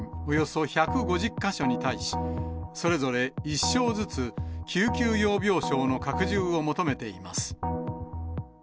およそ１５０か所に対し、それぞれ１床ずつ、救急用病床の拡充を求めています。